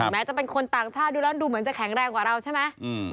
แม้จะเป็นคนต่างชาติดูแล้วดูเหมือนจะแข็งแรงกว่าเราใช่ไหม